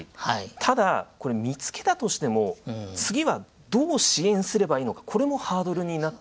ただこれ見つけたとしても次はどう支援すればいいのかこれもハードルになってきますよね。